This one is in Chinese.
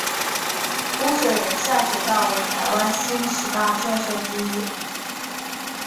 污水下水道为台湾新十大建设之一。